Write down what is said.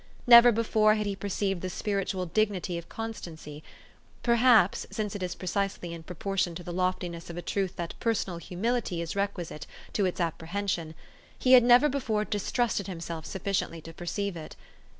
Never before had THE STORY OF AVIS. 423 he perceived the spiritual dignity of constancy ; per haps since it is precisely in proportion to the lofti ness of a truth that personal humility is requisite to its apprehension he had never before distrusted himself sufficiently to perceive it.